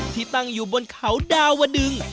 ที่ตั้งอยู่บนเขาดาวดึง